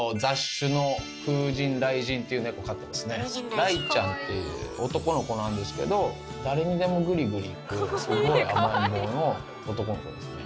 雷ちゃんっていう男の子なんですけど誰にでもグリグリいくすごい甘えん坊の男の子ですね。